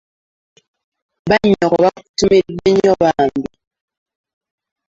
Bannyoko bakutumidde nnyo bambi.